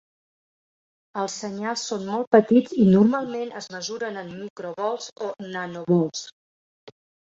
Els senyals són molt petits i normalment es mesuren en microvolts o nanovolts.